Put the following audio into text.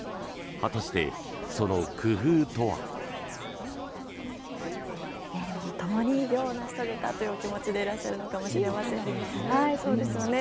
果たして、その工夫とは。ともに偉業を成し遂げたというお気持ちでいらっしゃるのかもしれませんね。